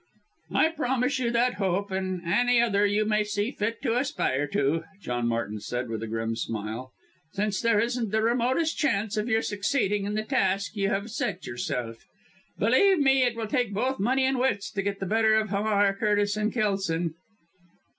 "I promise you that hope, and any other you may see fit to aspire to," John Martin said, with a grim smile, "since there isn't the remotest chance of your succeeding in the task you have set yourself. Believe me, it will take both money and wits to get the better of Hamar, Curtis and Kelson."